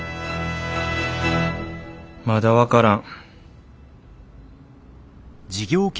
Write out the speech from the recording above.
まだ分からん。